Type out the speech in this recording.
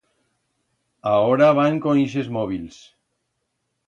Aora van con ixes móbils.